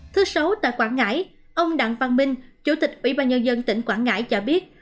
thứ sáu tại quảng ngãi ông đặng văn minh chủ tịch ủy ban nhân dân tỉnh quảng ngãi cho biết